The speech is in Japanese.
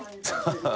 ハハハ